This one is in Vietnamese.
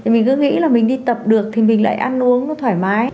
mình cứ nghĩ là mình đi tập được thì mình lại ăn uống nó thoải mái